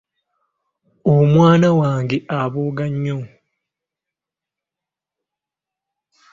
Omwana wange abooga nnyo.